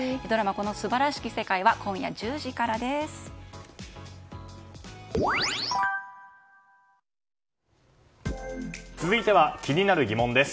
「この素晴らしき世界」は今夜１０時からです。